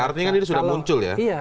artinya kan ini sudah muncul ya